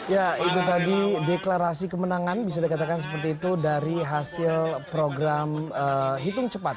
ya itu tadi deklarasi kemenangan bisa dikatakan seperti itu dari hasil program hitung cepat